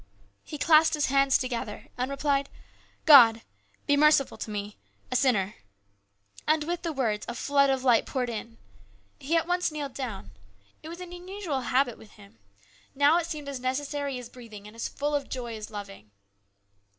He clasped his hands together, and replied, u God, be merciful to me a sinner !" and with the words a flood of light poured in. He at once kneeled down. It was an unusual habit with him. Now it seemed as necessary as breathing, and as full of joy as loving.